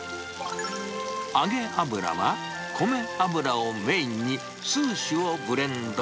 揚げ油は、米油をメインに数種をブレンド。